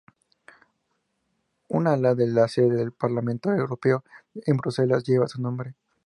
Un ala de la sede del Parlamento Europeo en Bruselas lleva su nombre.